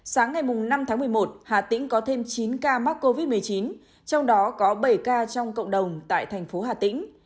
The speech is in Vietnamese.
hà tĩnh đã ghi nhận thêm chín ca mắc covid một mươi chín trong đó có bảy ca trong cộng đồng tại thành phố hà tĩnh